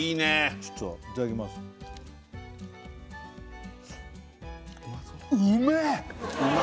ちょっといただきますうま